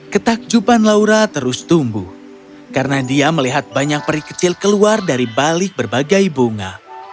ketakjupan laura terus tumbuh karena dia melihat banyak peri kecil keluar dari balik berbagai bunga